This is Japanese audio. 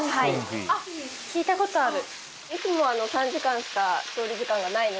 あっ聞いたことある。